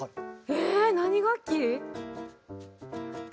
え何楽器？